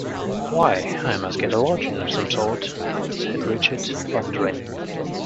"Why, I must get a lodging of some sort," said Richard, pondering.